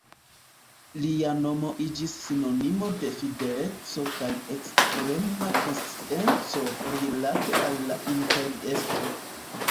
Lia nomo iĝis sinonimo de fideleco kaj ekstrema konscienco rilate al la imperiestro.